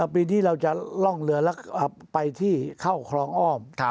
ปีนี้เราจะล่องเรือแล้วไปที่เข้าคลองอ้อม